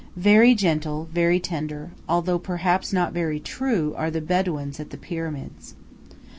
Very gentle, very tender, although perhaps not very true, are the Bedouins at the Pyramids.